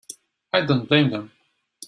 I don't blame them.